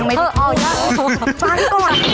เอ่อฟ้างก่อน